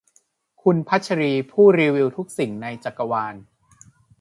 คุณพัชผู้รีวิวทุกสิ่งในจักรวาล